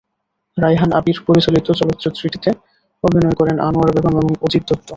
রায়হান আবির পরিচালিত চলচ্চিত্রটিতে অভিনয় করেন আনোয়ারা বেগম এবং অজিত দত্ত।